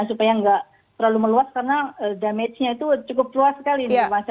supaya enggak terlalu meluas karena damagenya itu cukup luas sekali